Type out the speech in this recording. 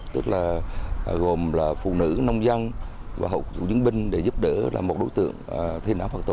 tức là gồm là phụ nữ nông dân và hộp dụng dân binh để giúp đỡ là một đối tượng thiên án phạt tù